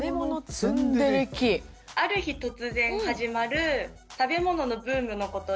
ある日突然始まる食べ物のブームのことで。